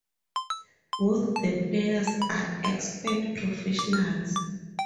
Both the players are expert professionals.